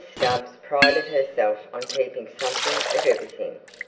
Stubbs prided herself on keeping something of everything.